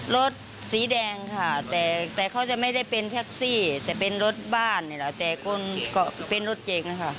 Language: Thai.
รถสีแดงค่ะแต่เขาจะไม่ได้เป็นแท็กซี่แต่เป็นรถบ้านแต่เป็นรถเจ๋งค่ะ